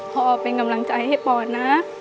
ขอเป็นกำลังใจให้ปอนนะ